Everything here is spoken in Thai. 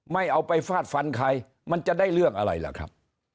ไม่เอาไปฟาดฟันใครมันจะได้เรื่องอะไรล่ะครับ